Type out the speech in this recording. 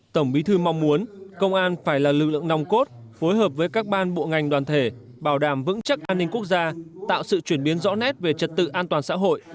tổng bí thư mong muốn công an phải là lực lượng nòng cốt phối hợp với các ban bộ ngành đoàn thể bảo đảm vững chắc an ninh quốc gia tạo sự chuyển biến rõ nét về trật tự an toàn xã hội